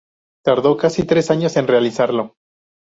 Tardó casi tres años en realizarlo.